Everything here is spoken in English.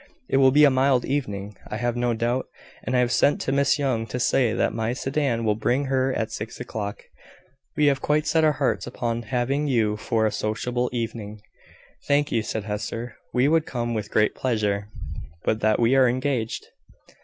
It will be a mild evening, I have no doubt; and I have sent to Miss Young, to say that my sedan will bring her at six o'clock. We have quite set our hearts upon having you for a sociable evening." "Thank you," said Hester: "we would come with great pleasure, but that we are engaged."